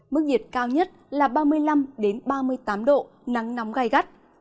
mức nhiệt cao nhất là ba mươi năm ba mươi tám độ nắng nóng gai gắt